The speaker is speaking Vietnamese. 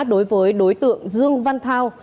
đối với đối tượng dương văn thao